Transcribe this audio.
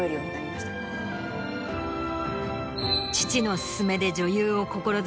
父の勧めで女優を志し